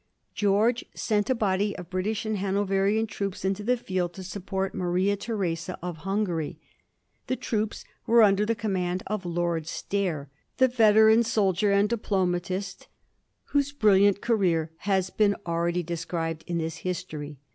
George sent a body of British and Hanoverian troops into the field to support Maria Theresa of Hungaiy. The troops were under the command of Lord Stair, the veteran soldier and diplomatist, whose brilliant career has been already described in this history.